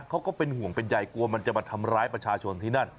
ก็เป็นห่วงเป็นใยกลัวมันจะมาทำร้ายประชาชนที่นั่น